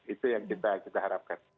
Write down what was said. itu yang kita harapkan